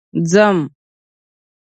ځم